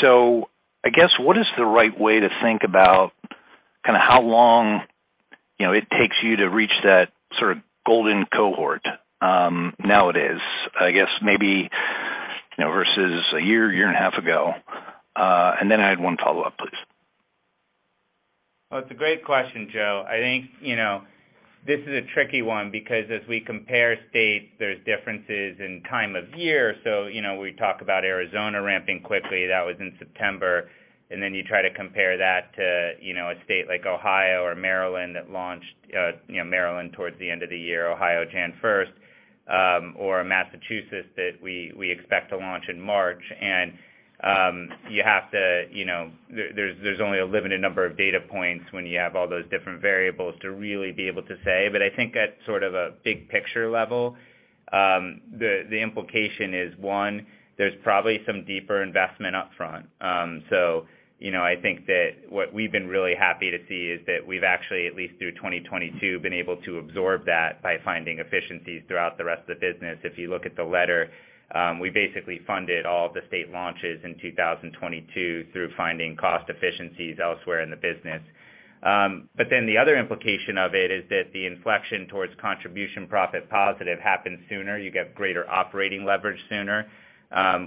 So, I guess, what is the right way to think about kinda how long, you know, it takes you to reach that sort of golden cohort, nowadays, I guess maybe, you know, versus a one year and a half ago? I had one follow-up, please. Well, it's a great question, Joe. I think, you know, this is a tricky one because as we compare states, there's differences in time of year. You know, we talk about Arizona ramping quickly, that was in September. Then you try to compare that to, you know, a state like Ohio or Maryland that launched, you know, Maryland towards the end of the year, Ohio, Jan. 1st, or Massachusetts that we expect to launch in March. You have to, you know, there's only a limited number of data points when you have all those different variables to really be able to say. I think at sort of a big picture level, the implication is, one, there's probably some deeper investment up front. You know, I think that what we've been really happy to see is that we've actually, at least through 2022, been able to absorb that by finding efficiencies throughout the rest of the business. If you look at the letter, we basically funded all the state launches in 2022 through finding cost efficiencies elsewhere in the business. The other implication of it is that the inflection towards contribution profit positive happens sooner. You get greater operating leverage sooner,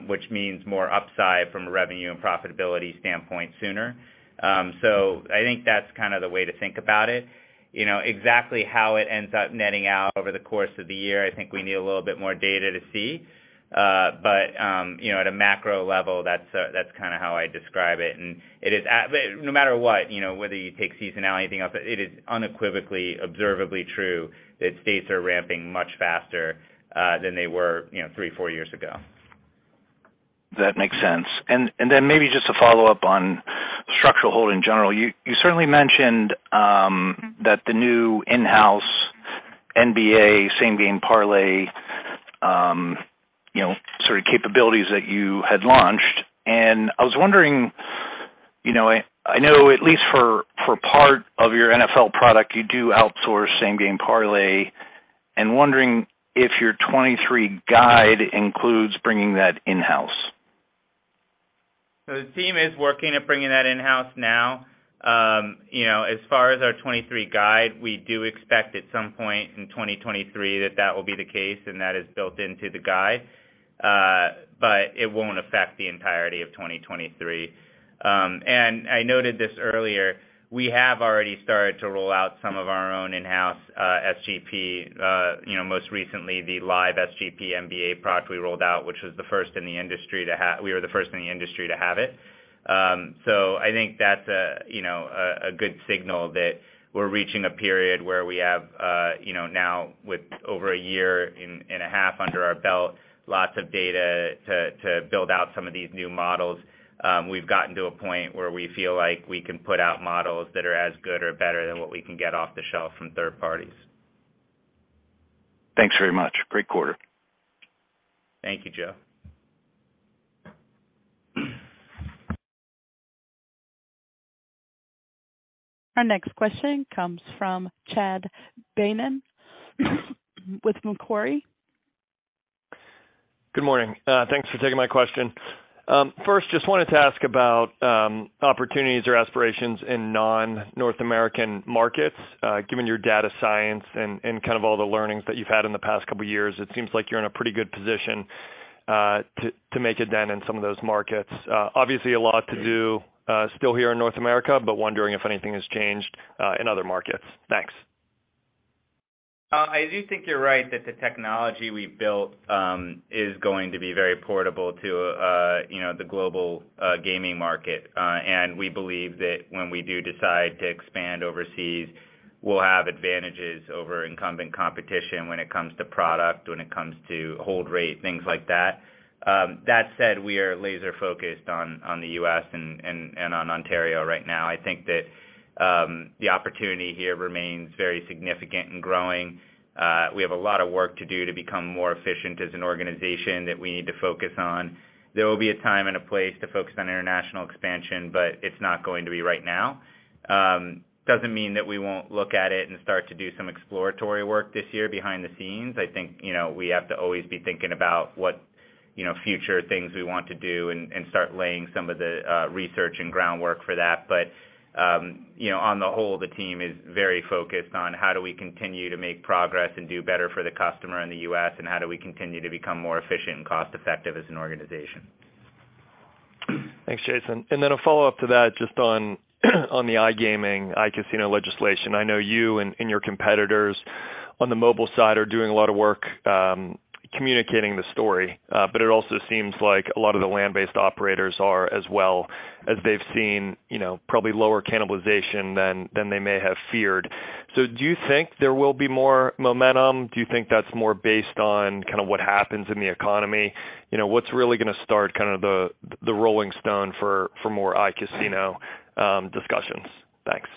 which means more upside from a revenue and profitability standpoint sooner. I think that's kind of the way to think about it. You know, exactly how it ends up netting out over the course of the year, I think we need a little bit more data to see. You know, at a macro level, that's kinda how I describe it. No matter what, you know, whether you take seasonality or anything else, it is unequivocally observably true that states are ramping much faster than they were, you know, 3, 4 years ago. That makes sense. Then maybe just to follow up on structural hold in general. You certainly mentioned that the new in-house NBA Same Game Parlay, you know, sort of capabilities that you had launched. I was wondering, you know, I know at least for part of your NFL product, you do outsource Same Game Parlay. Wondering if your 2023 guide includes bringing that in-house. The team is working at bringing that in-house now. You know, as far as our 2023 guide, we do expect at some point in 2023 that that will be the case, and that is built into the guide. It won't affect the entirety of 2023. I noted this earlier, we have already started to roll out some of our own in-house, SGP. You know, most recently the Live SGP NBA product we rolled out, we were the first in the industry to have it. I think that's a, you know, a good signal that we're reaching a period where we have, you know, now with over a year and a half under our belt, lots of data to build out some of these new models. We've gotten to a point where we feel like we can put out models that are as good or better than what we can get off the shelf from third parties. Thanks very much. Great quarter. Thank you, Joe. Our next question comes from Chad Beynon with Macquarie. Good morning. Thanks for taking my question. First, just wanted to ask about opportunities or aspirations in non-North American markets. Given your data science and kind of all the learnings that you've had in the past couple years, it seems like you're in a pretty good position to make a dent in some of those markets. Obviously a lot to do still here in North America, but wondering if anything has changed in other markets. Thanks. I do think you're right that the technology we built, is going to be very portable to, you know, the global gaming market. We believe that when we do decide to expand overseas, we'll have advantages over incumbent competition when it comes to product, when it comes to hold rate, things like that. That said, we are laser-focused on the U.S. and on Ontario right now. I think that, the opportunity here remains very significant and growing. We have a lot of work to do to become more efficient as an organization that we need to focus on. There will be a time and a place to focus on international expansion, but it's not going to be right now. Doesn't mean that we won't look at it and start to do some exploratory work this year behind the scenes. I think, you know, we have to always be thinking about what, you know, future things we want to do and start laying some of the research and groundwork for that. You know, on the whole, the team is very focused on how do we continue to make progress and do better for the customer in the U.S., and how do we continue to become more efficient and cost-effective as an organization. Thanks, Jason. Then a follow-up to that, just on the iGaming, iCasino legislation. I know you and your competitors on the mobile side are doing a lot of work, communicating the story. It also seems like a lot of the land-based operators are as well as they've seen, you know, probably lower cannibalization than they may have feared. Do you think there will be more momentum? Do you think that's more based on kind of what happens in the economy? You know, what's really gonna start kind of the rolling stone for more iCasino discussions? Thanks.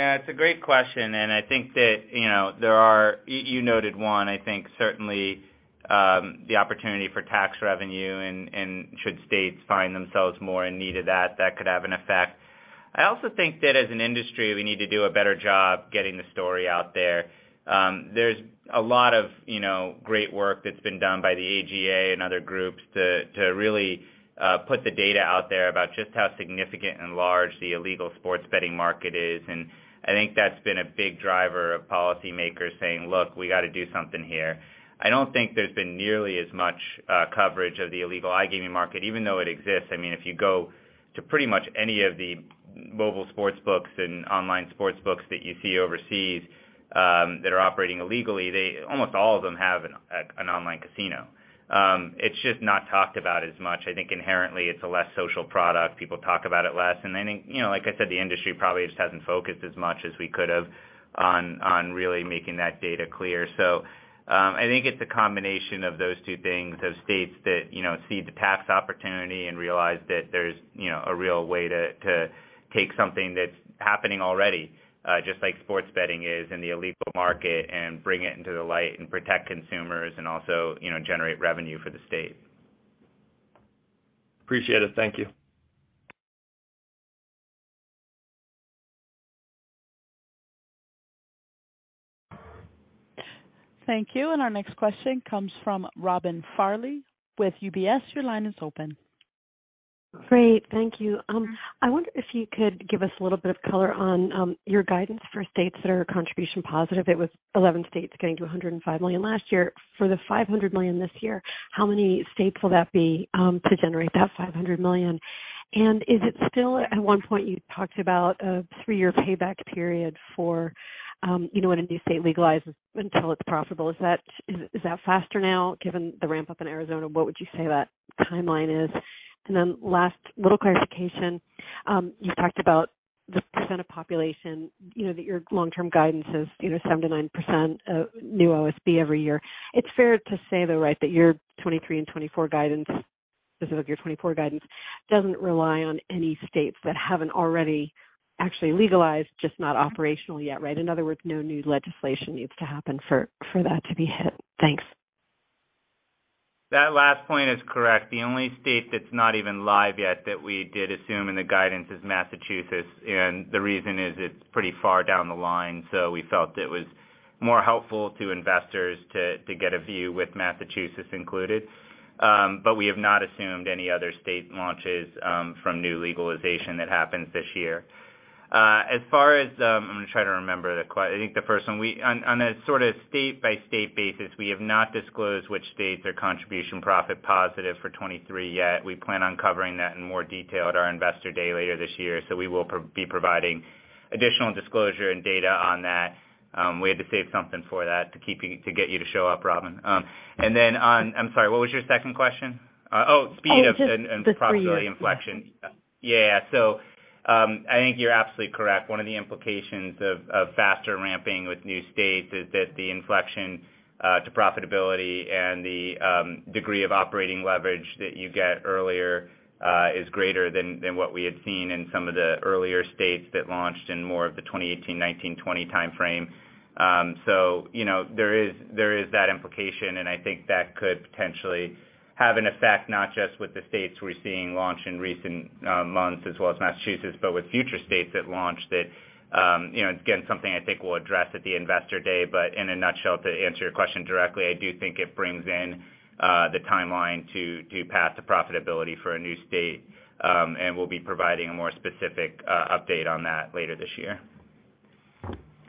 It's a great question, and I think that, you know, You noted one, I think, certainly, the opportunity for tax revenue and should states find themselves more in need of that could have an effect. I also think that as an industry, we need to do a better job getting the story out there. There's a lot of, you know, great work that's been done by the AGA and other groups to really put the data out there about just how significant and large the illegal sports betting market is. I think that's been a big driver of policymakers saying, "Look, we gotta do something here." I don't think there's been nearly as much coverage of the illegal iGaming market, even though it exists. I mean, if you go to pretty much any of the mobile sportsbooks and online sportsbooks that you see overseas, that are operating illegally, almost all of them have an online casino. It's just not talked about as much. I think inherently it's a less social product. People talk about it less. I think, you know, like I said, the industry probably just hasn't focused as much as we could have on really making that data clear. I think it's a combination of those two things, those states that, you know, see the tax opportunity and realize that there's, you know, a real way to take something that's happening already, just like sports betting is in the illegal market, and bring it into the light and protect consumers and also, you know, generate revenue for the state. Appreciate it. Thank you. Thank you. Our next question comes from Robin Farley with UBS. Your line is open. Great. Thank you. I wonder if you could give us a little bit of color on your guidance for states that are contribution positive. It was 11 states getting to $105 million last year. For the $500 million this year, how many states will that be to generate that $500 million? Is it still, at one point, you talked about a three-year payback period for, you know, when a new state legalizes until it's profitable. Is that faster now given the ramp-up in Arizona? What would you say that timeline is? Last, a little clarification. You talked about the % of population, you know, that your long-term guidance is, you know, 7%-9% of new OSB every year. It's fair to say, though, right, that your 2023 and 2024 guidance, specific your 2024 guidance, doesn't rely on any states that haven't already actually legalized, just not operational yet, right? In other words, no new legislation needs to happen for that to be hit. Thanks. That last point is correct. The only state that's not even live yet that we did assume in the guidance is Massachusetts, the reason is it's pretty far down the line. We felt it was more helpful to investors to get a view with Massachusetts included. We have not assumed any other state launches from new legalization that happens this year. As far as I'm gonna try to remember I think the first one. On a sort of state-by-state basis, we have not disclosed which states are contribution profit positive for 2023 yet. We plan on covering that in more detail at our Investor Day later this year, we will be providing additional disclosure and data on that. We had to save something for that to keep you, to get you to show up, Robin. I'm sorry, what was your second question? Speed of profitability inflection. Oh, just the 3 years. I think you're absolutely correct. One of the implications of faster ramping with new states is that the inflection to profitability and the degree of operating leverage that you get earlier is greater than what we had seen in some of the earlier states that launched in more of the 2018, 2019, 2020 timeframe. You know, there is that implication, and I think that could potentially have an effect not just with the states we're seeing launch in recent months as well as Massachusetts, but with future states that launch that, you know, again, something I think we'll address at the Investor Day. In a nutshell, to answer your question directly, I do think it brings in the timeline to path to profitability for a new state, and we'll be providing a more specific update on that later this year.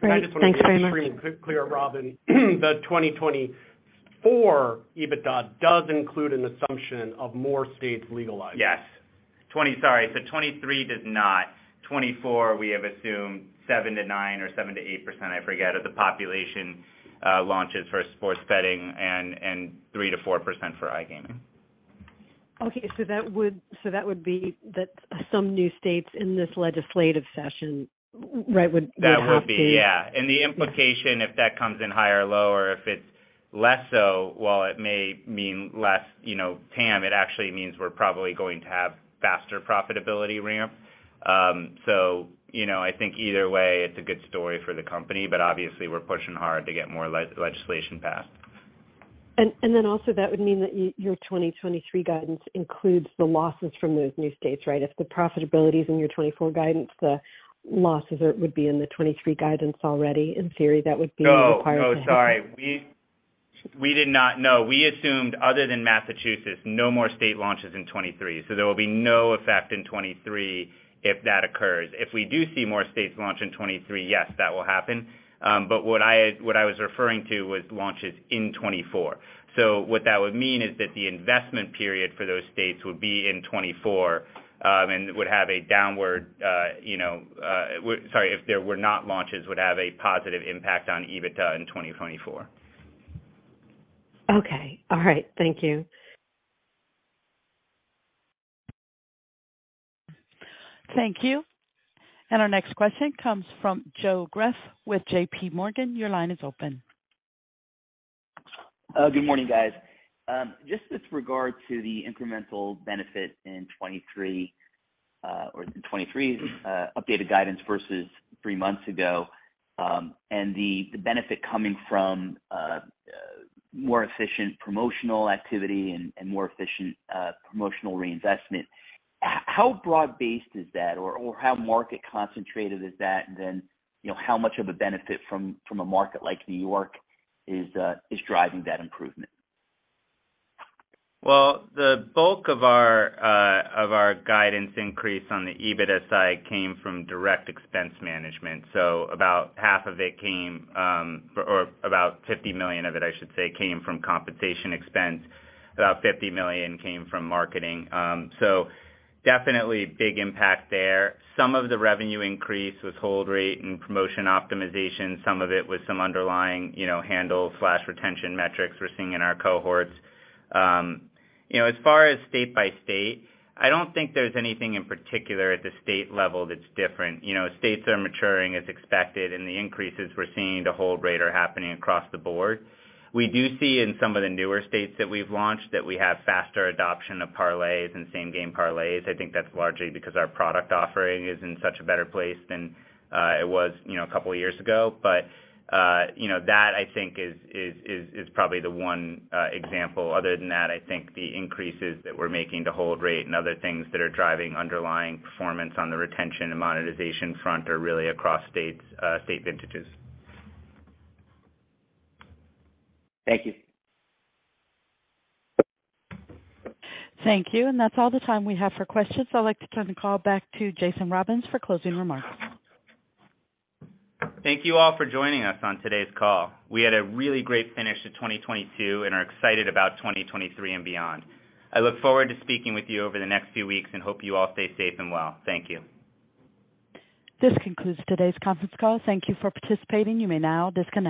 Great. Thanks very much. I just wanna make sure I'm clear, Robin. The 2024 EBITDA does include an assumption of more states legalizing? Yes. Sorry, so 2023 does not. 2024, we have assumed 7%-9% or 7%-8%, I forget, of the population, launches for sports betting and 3%-4% for iGaming. Okay. That would be that some new states in this legislative session, right, would have to. That would be. Yeah. The implication, if that comes in higher or lower, if it's less so, while it may mean less, you know, TAM, it actually means we're probably going to have faster profitability ramp. You know, I think either way it's a good story for the company, but obviously we're pushing hard to get more legislation passed. Then also that would mean that your 2023 guidance includes the losses from those new states, right? If the profitability is in your 2024 guidance, the losses would be in the 2023 guidance already. In theory, that would be required to happen. No. No, sorry. We did not. No, we assumed other than Massachusetts, no more state launches in 2023. There will be no effect in 2023 if that occurs. If we do see more states launch in 2023, yes, that will happen. But what I was referring to was launches in 2024. What that would mean is that the investment period for those states would be in 2024, and would have a downward, you know, sorry, if there were not launches, would have a positive impact on EBITDA in 2024. Okay. All right. Thank you. Thank you. Our next question comes from Joe Greff with JPMorgan. Your line is open. Good morning, guys. Just with regard to the incremental benefit in 23, or the 23, updated guidance versus three months ago, and the benefit coming from, more efficient promotional activity and more efficient, promotional reinvestment, how broad-based is that? Or how market concentrated is that? You know, how much of a benefit from a market like New York is driving that improvement? The bulk of our of our guidance increase on the EBITDA side came from direct expense management. About half of it came, or about $50 million of it, I should say, came from compensation expense. About $50 million came from marketing. Definitely big impact there. Some of the revenue increase was hold rate and promotion optimization, some of it was some underlying, you know, handle/retention metrics we're seeing in our cohorts. You know, as far as state by state, I don't think there's anything in particular at the state level that's different. You know, states are maturing as expected, the increases we're seeing to hold rate are happening across the board. We do see in some of the newer states that we've launched that we have faster adoption of parlays and Same Game Parlays. I think that's largely because our product offering is in such a better place than, it was, you know, a couple of years ago. You know, that I think is probably the one example. Other than that, I think the increases that we're making to hold rate and other things that are driving underlying performance on the retention and monetization front are really across states, state vintages. Thank you. Thank you. That's all the time we have for questions. I'd like to turn the call back to Jason Robins for closing remarks. Thank you all for joining us on today's call. We had a really great finish to 2022 and are excited about 2023 and beyond. I look forward to speaking with you over the next few weeks, and hope you all stay safe and well. Thank you. This concludes today's conference call. Thank you for participating. You may now disconnect.